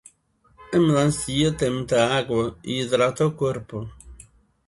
A melancia tem muita água e hidrata o corpo.